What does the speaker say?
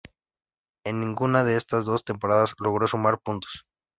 En ninguna de estas dos temporadas logró sumar puntos.